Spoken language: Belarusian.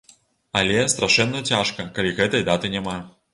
Але страшэнна, цяжка, калі гэтай даты няма.